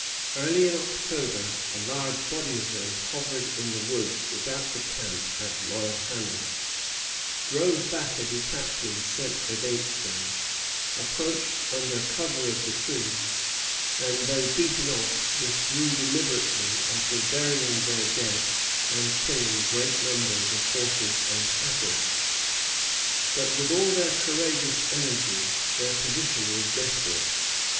Early in October a large body of them hovered in the woods about the camp at Loyalhannon, drove back a detachment sent against them, approached under cover of the trees, and, though beaten off, withdrew deliberately, after burying their dead and killing great numbers of horses and cattle. But, with all their courageous energy, their position was desperate.